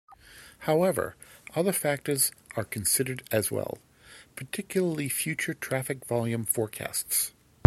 However, other factors are considered as well, particularly future traffic volume forecasts.